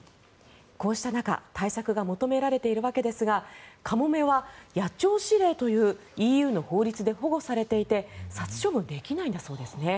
こうした中対策が求められているわけですがカモメは野鳥指令というＥＵの法律で保護されていて殺処分できないそうなんですね。